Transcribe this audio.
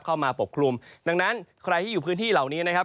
ปกคลุมดังนั้นใครที่อยู่พื้นที่เหล่านี้นะครับ